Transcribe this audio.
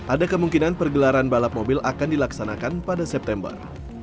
ada kemungkinan pergelaran balap mobil akan dilaksanakan pada september